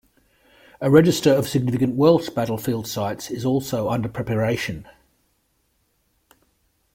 A register of significant Welsh battlefield sites is also under preparation.